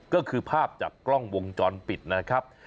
ก็คือภาพจากกล้องวงจรปิดนะครับ